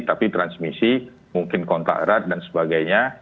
tapi transmisi mungkin kontak erat dan sebagainya